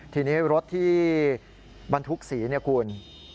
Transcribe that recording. ทีนี้รถที่บรรทุกสีเนี่ยคุณ